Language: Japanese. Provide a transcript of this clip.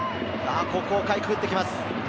ここをかいくぐってきます。